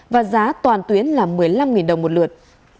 và giá toàn tuyến là một mươi năm đồng một lượt